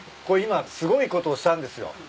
これ今すごいことをしたんですよ。